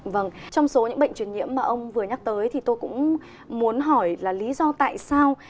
vâng trong số những bệnh truyền nhiễm mà ông vừa nhắc tới thì tôi cũng muốn hỏi là lý do tại sao